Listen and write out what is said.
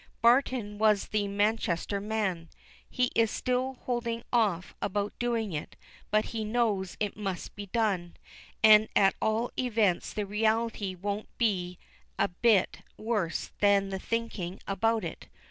Barton was the Manchester man. "He is still holding off about doing it, but he knows it must be done, and at all events the reality won't be a bit worse than the thinking about it.